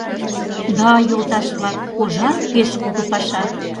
— Да, йолташ-влак, пожар пеш кугу паша.